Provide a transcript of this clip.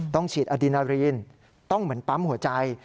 ต้องฉีดอดินารีนต้องเหมือนปั๊มหัวใจ